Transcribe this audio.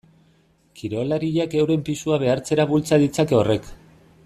Kirolariak euren pisua behartzera bultza ditzake horrek.